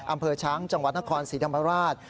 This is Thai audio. อำเภอช้างจังหวัดนครศรีธรรมราช